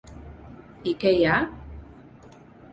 I què hi ha?